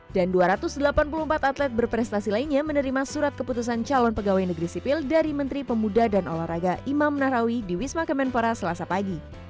dan dua ratus delapan puluh empat atlet berprestasi lainnya menerima surat keputusan calon pegawai negeri sipil dari menteri pemuda dan olahraga imam narawi di wisma kemenpora selasa pagi